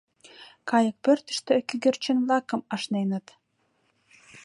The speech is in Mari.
Кайык пӧртыштӧ кӧгӧрчен-влакым ашненыт.